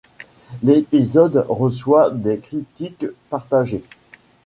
L’épisode reçoit des critiques partagées.